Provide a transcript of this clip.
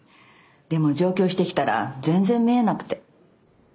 でも上京してきたら全然見えなくて。